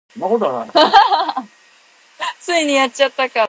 厝